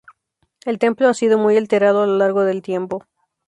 El templo ha sido muy alterado a lo largo del tiempo.